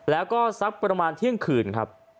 แล้วก็สักประมาณเที่ยงคืนครับ